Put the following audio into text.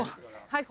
はい。